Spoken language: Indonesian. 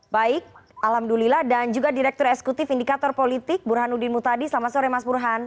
baik alhamdulillah dan juga direktur eksekutif indikator politik burhanuddin mutadi selamat sore mas burhan